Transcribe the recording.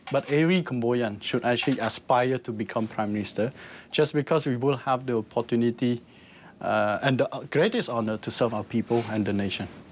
เพราะเขากลายเป็นรมนิสเซนทีละและสเวศนา